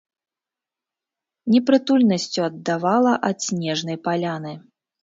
Непрытульнасцю аддавала ад снежнай паляны.